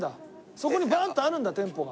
そこにバーンとあるんだ店舗が。